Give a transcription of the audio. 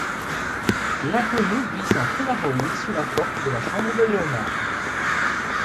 L'inconnu glisse un polaroid sous la porte de la chambre de Leonard.